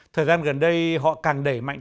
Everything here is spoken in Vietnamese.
thời gian gần đây họ càng đẩy mạnh